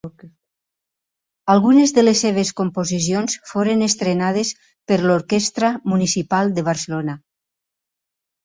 Algunes de les seves composicions foren estrenades per l'Orquestra Municipal de Barcelona.